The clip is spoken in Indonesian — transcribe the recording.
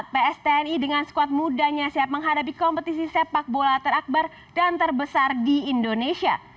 pstni dengan skuad mudanya siap menghadapi kompetisi sepak bola terakbar dan terbesar di indonesia